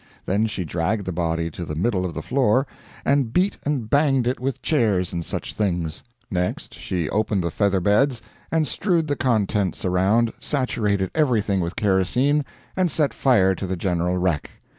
Then she dragged the body to the middle of the floor, and beat and banged it with chairs and such things. Next she opened the feather beds, and strewed the contents around, saturated everything with kerosene, and set fire to the general wreck.